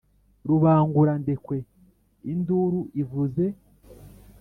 Rubangurandekwe induru ivuze